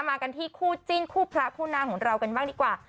มากันที่คู่จิ้นคู่พระคู่นางของเรากันบ้างดีกว่า